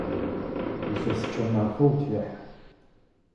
Илъэсыкӏэ мафэ утехь!